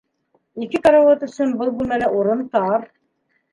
Ике карауат өсөн был бүлмәлә урын тар